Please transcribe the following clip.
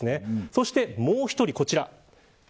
そして、もう１人こちら。